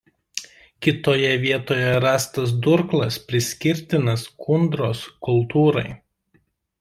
Kitoje vietoje rastas durklas priskirtinas Kundos kultūrai.